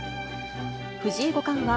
藤井五冠は、